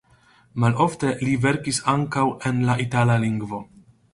Malofte li verkis ankaŭ en la itala lingvo.